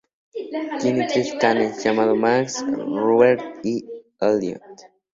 Tiene tres canes, llamado Max, Rupert, y Elliott.